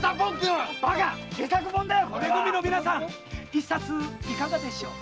一冊いかがでしょう？